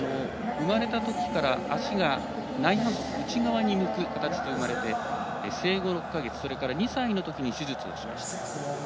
生まれたときから足が内反足内側に向く形で生まれて生後６か月、２歳のときに手術をしました。